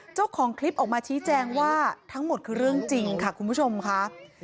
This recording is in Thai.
เจ้าของคลิปออกมาชี้แจงว่าทั้งหมดคือเรื่องจริงค่ะคุณผู้ชมค่ะ